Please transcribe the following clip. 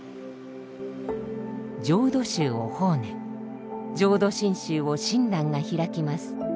浄土宗を法然浄土真宗を親鸞が開きます。